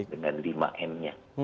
dengan lima m nya